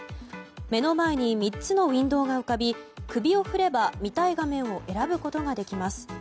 目の前に３つのウィンドウが浮かび首を振れば見たい画面を選ぶことができます。